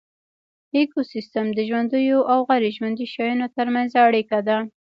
ایکوسیستم د ژوندیو او غیر ژوندیو شیانو ترمنځ اړیکه ده